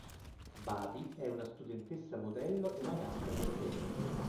Babi è una studentessa modello e ragazza per bene.